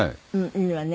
いいわね。